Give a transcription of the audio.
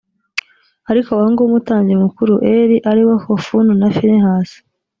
ariko abahungu b umutambyi mukuru eli ari bo hofuni na finehasi